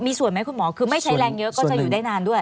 มีส่วนไหมคุณหมอคือไม่ใช้แรงเยอะก็จะอยู่ได้นานด้วย